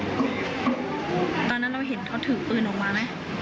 ตอนนั้นเราเห็นเขาถือปืนออกมาไหม